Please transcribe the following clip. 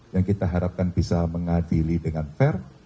yang kita harapkan bisa mengadili dengan fair